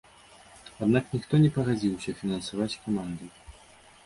Аднак ніхто не пагадзіўся фінансаваць каманду.